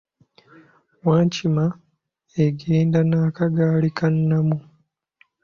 Wankima egenda n'akagaali ka Namu.